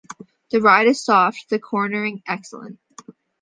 The ride is soft, the cornering excellent.